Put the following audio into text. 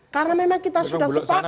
karena memang kita sudah sepakat